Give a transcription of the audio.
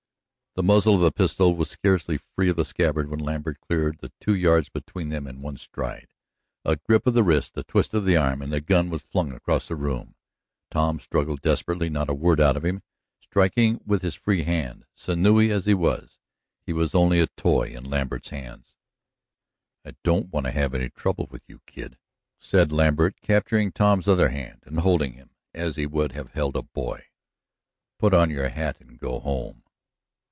The muzzle of the pistol was scarcely free of the scabbard when Lambert cleared the two yards between them in one stride. A grip of the wrist, a twist of the arm, and the gun was flung across the room. Tom struggled desperately, not a word out of him, striking with his free hand. Sinewy as he was, he was only a toy in Lambert's hands. "I don't want to have any trouble with you, kid," said Lambert, capturing Tom's other hand and holding him as he would have held a boy. "Put on your hat and go home."